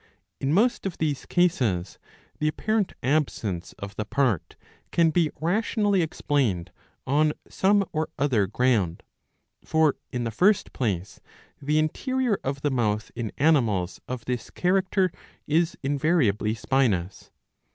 In most of these cases the apparent absence of the part can be rationally explained on some or other ground. For in the first place the interior of the mouth in animals of this character is invariably spinous.